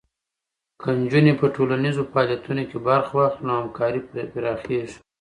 که نجونې په ټولنیزو فعالیتونو کې برخه واخلي، نو همکاري پراخېږي.